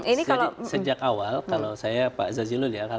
ini kalau sejak awal kalau saya pak zazie lulia